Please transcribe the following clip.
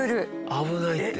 危ないって。